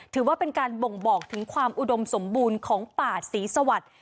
ถือว่าเป็นการบ่งบอกถึงความอุดมสมบูรณ์ของป่าศรีสวัสดิ์